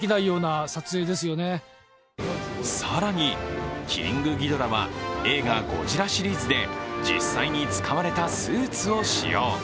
更に、キングギドラは映画「ゴジラ」シリーズで実際に使われたスーツを使用。